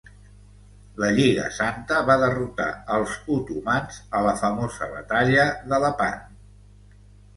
La Lliga Santa va derrotar els otomans a la famosa Batalla de Lepant.